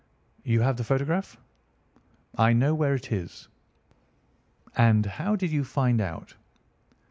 "You have the photograph?" "I know where it is." "And how did you find out?"